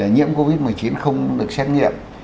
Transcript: nhiễm covid một mươi chín không được xét nghiệm